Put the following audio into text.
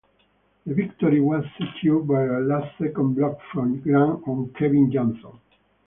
The victory was secured by a last-second block from Grant on Kevin Johnson.